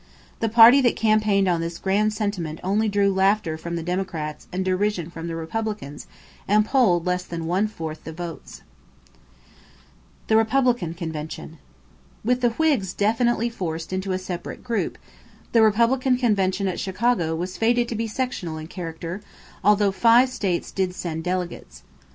The party that campaigned on this grand sentiment only drew laughter from the Democrats and derision from the Republicans and polled less than one fourth the votes. =The Republican Convention.= With the Whigs definitely forced into a separate group, the Republican convention at Chicago was fated to be sectional in character, although five slave states did send delegates.